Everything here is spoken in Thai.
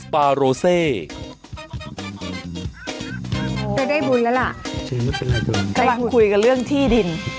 ใครบ้างคุยกับเรื่องที่ดิน